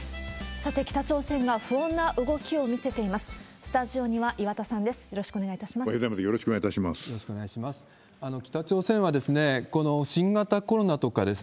さて、北朝鮮が不穏な動きを見せています。